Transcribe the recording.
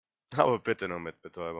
Aber bitte nur mit Betäubung.